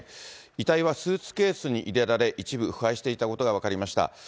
遺体はスーツケースに入れられ、一部腐敗していたことが分かりました。